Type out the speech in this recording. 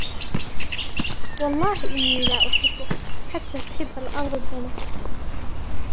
وَاَللَّهِ إنِّي لَا أُحِبُّك حَتَّى تُحِبَّ الْأَرْضُ الدَّمَ